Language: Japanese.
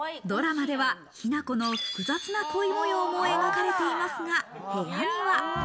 ドラマでは雛子の複雑な恋模様も描かれていますが、部屋には。